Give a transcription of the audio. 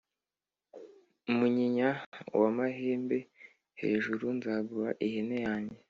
munyinya w'a mahe mbe hejuru/ nzaguha ihene yanjye